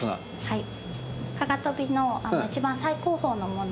はい。